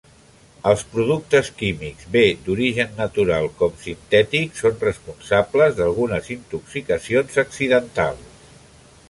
Els productes químics, bé d'origen natural com sintètics són responsables d'algunes intoxicacions accidentals.